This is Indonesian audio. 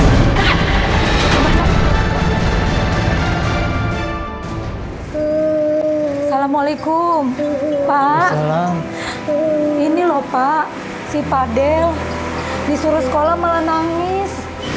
assalamualaikum pak ini lho pak si pak del disuruh sekolah malah nangis